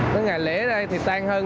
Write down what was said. tới ngày lễ này thì tan hơn